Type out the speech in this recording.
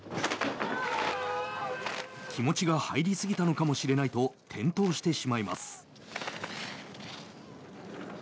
気持ちが入りすぎたのかもしれないと転倒してしまいます。